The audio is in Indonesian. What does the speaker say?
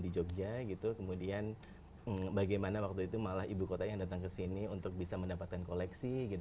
di jogja gitu kemudian bagaimana waktu itu malah ibu kota yang datang ke sini untuk bisa mendapatkan koleksi